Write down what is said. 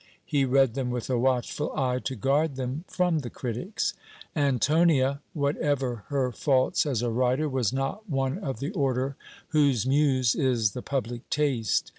He read them with a watchful eye to guard them from the critics. ANTONIA, whatever her faults as a writer, was not one of the order whose Muse is the Public Taste.